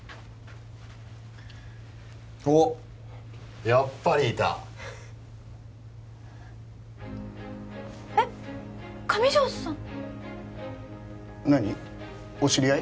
おっやっぱりいたえっ上条さん何お知り合い？